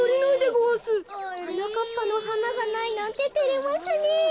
はなかっぱのはながないなんててれますねえ。